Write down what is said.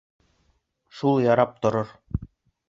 Шул ярап торор.